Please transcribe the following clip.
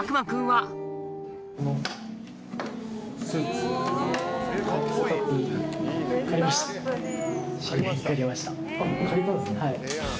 はい。